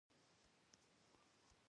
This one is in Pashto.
په خبرو کې صفت او قید کارول ډېرکم کړئ.